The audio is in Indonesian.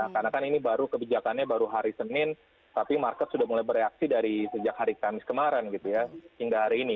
karena kan ini baru kebijakannya baru hari senin tapi market sudah mulai bereaksi dari sejak hari kamis kemarin hingga hari ini